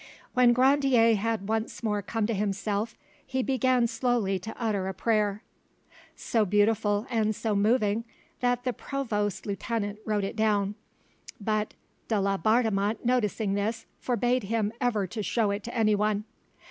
When Grandier had once more come to himself, he began slowly to utter a prayer, so beautiful and so moving that the provost's lieutenant wrote it down; but de Laubardemont noticing this, forbade him ever to show it to anyone.